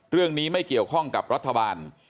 เรื่องนี้ไม่เกี่ยวข้องกับรัฐบาล